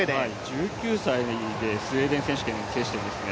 １９歳でスウェーデン選手権を制してるんですね。